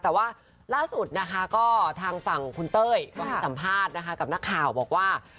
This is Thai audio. แต่ว่าล่าสุดนะคะก็ทางฝั่งคุณเต้ยก็ให้สัมภาษณ์นะคะกับนักข่าวบอกว่า